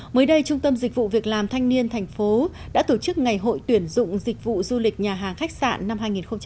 mới đây trung tâm dịch vụ việc làm thanh niên thành phố đã tổ chức ngày hội tuyển dụng dịch vụ du lịch nhà hàng khách sạn năm hai nghìn hai mươi bốn